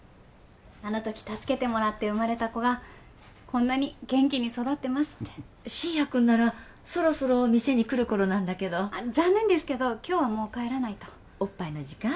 あの時助けてもらって生まれた子がこんなに元気に育ってますって信也君ならそろそろ店に来る頃なんだけど残念ですけど今日はもう帰らないとおっぱいの時間？